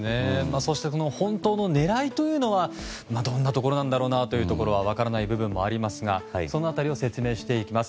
そして本当の狙いはどんなところなんだろうと分からない部分もありますがその辺りを説明していきます。